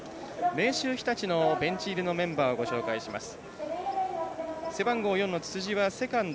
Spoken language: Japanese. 明秀日立のベンチ入りのメンバーをご紹介します。